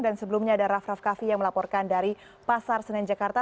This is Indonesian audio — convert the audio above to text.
dan sebelumnya ada raff raff kaffi yang melaporkan dari pasar senen jakarta